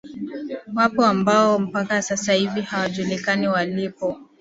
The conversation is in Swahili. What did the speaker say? wapo ambao mpaka sasa hivi hawajulikani walipo